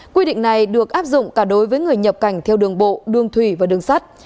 quy định này được áp dụng cả đối với người nhập cảnh theo đường bộ đường thủy và đường sắt